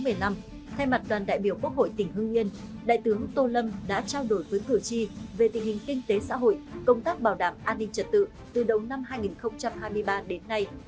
đại tướng tô lâm đã trao đổi với cửa chi về tình hình kinh tế xã hội công tác bảo đảm an ninh trật tự từ đầu năm hai nghìn hai mươi ba đến nay